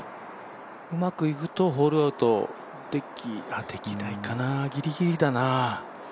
うまくいくとホールアウトでき、できないかな、ギリギリだな。